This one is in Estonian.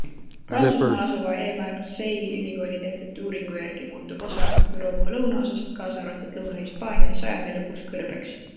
Prantsusmaal asuva Aix-Marseille'i ülikooli tehtud uuringu järgi muutub osa Euroopa lõunaosast, kaasa arvatud Lõuna-Hispaania, sajandi lõpuks kõrbeks.